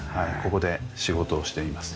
ここで仕事をしています。